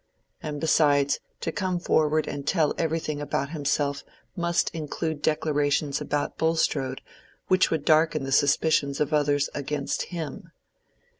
And besides, to come forward and tell everything about himself must include declarations about Bulstrode which would darken the suspicions of others against him.